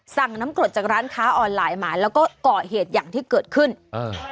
สั่งน้ำกรดจากร้านค้าออนไลน์มาแล้วก็ก่อเหตุอย่างที่เกิดขึ้นอ่า